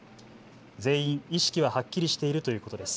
全員、意識ははっきりしているということです。